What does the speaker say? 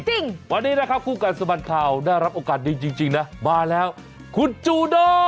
จริงวันนี้นะครับคู่กัดสะบัดข่าวได้รับโอกาสดีจริงนะมาแล้วคุณจูโด